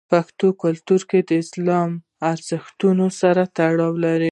پښتون کلتور د اسلامي ارزښتونو سره تړلی دی.